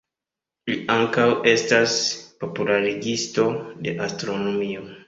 Li ankaŭ estas popularigisto de astronomio.